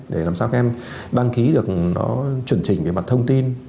để làm sao các em đăng ký được nó chuẩn trình về mặt thông tin